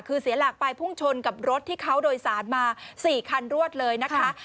คือเสียหลักไปพุ่งชนกับรถที่เขาโดยสารมา๔คันรวดเลยนะคะ